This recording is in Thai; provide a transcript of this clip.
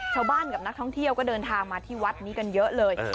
ชาวบ้านกับนักท่องเที่ยวก็เดินทางมาที่วัดนี้กันเยอะเลย